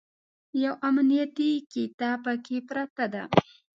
یوه امنیتي قطعه پکې پرته ده.